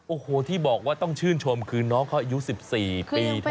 โอ้โหที่บอกว่าต้องชื่นชมคือน้องเขายู๑๔ปีเท่านั้นนะ